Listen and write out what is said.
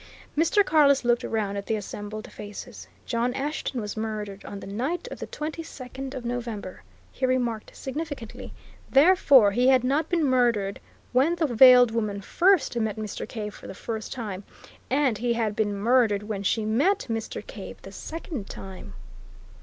Mr. Carless looked round at the assembled faces. "John Ashton was murdered on the night of the twenty second of November," he remarked significantly. "Therefore he had not been murdered when the veiled woman first met Mr. Cave for the first time, and he had been murdered when she met Mr. Cave the second time!"